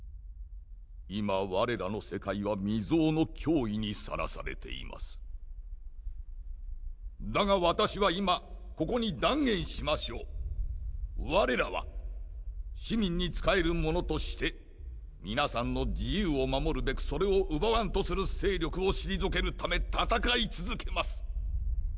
今我らの世界は未曽有の脅威にさらされていますだが私は今ここに断言しましょう我らは市民に仕える者として皆さんの自由を守るべくそれを奪わんとする勢力を退けるため戦い続けます